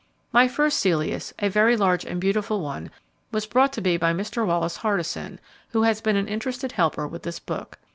My first Celeus, a very large and beautiful one, was brought to me by Mr. Wallace Hardison, who has been an interested helper with this book.